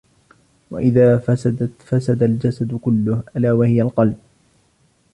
وَإِذَا فَسَدَتْ فَسَدَ الْجَسَدُ كُلُّهُ، أَلاَ وهِيَ الْقَلْبُ